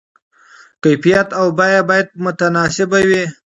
کیفیت او بیه باید متناسب وي.